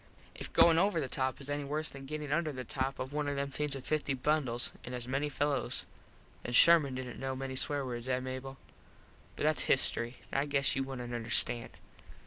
If goin over the top is any worse than gettin under the top of one of them things with fifty bundles an as many fellos then Sherman didnt know many swear words, eh Mable? But thats history. I guess you wouldnt understand.